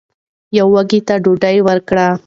یو وږي ته ډوډۍ ورکړئ.